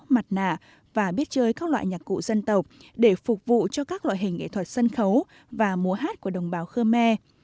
mặt nạ và biết chơi các loại nhạc cụ dân tộc để phục vụ cho các loại hình nghệ thuật sân khấu và múa hát của đồng bào khơ me